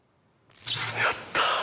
やったー。